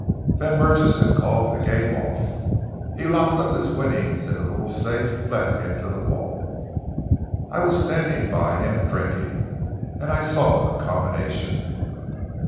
Then Murchison called the game off. He locked up his winnings in a little safe let into the wall. I was standing by him, drinking, and I saw the combination.